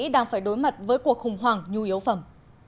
đang phải đối mặt với cuộc khủng hoảng nhu yếu phẩm